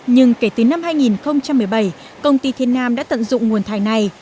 nhưng kể từ năm hai nghìn một mươi bảy công ty thiên nam đã tận dụng nguồn thải này